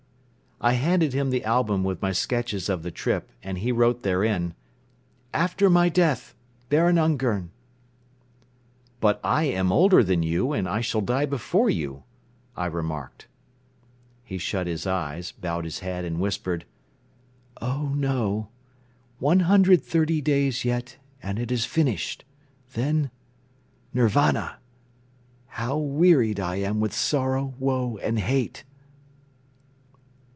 I handed him the album with my sketches of the trip and he wrote therein: "After my death, Baron Ungern." "But I am older than you and I shall die before you," I remarked. He shut his eyes, bowed his head and whispered: "Oh, no! One hundred thirty days yet and it is finished; then ... Nirvana! How wearied I am with sorrow, woe and hate!"